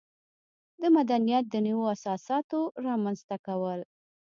د مدنیت د نویو اساساتو رامنځته کول.